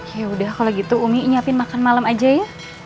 ya udah kalau gitu umi nyiapin makan malam aja ya